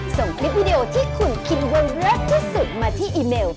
ส่งคลิปวิดีโอที่คุณคิดว่ารักที่สุดมาที่อีเมล